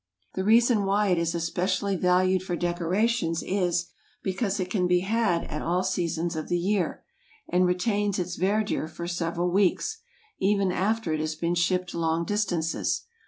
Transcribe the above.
The reason why it is especially valued for decorations is, because it can be had at all seasons of the year, and retains its verdure for several weeks, even after it has been shipped long distances.